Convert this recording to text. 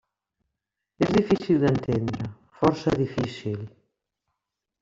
És difícil d'entendre, força difícil!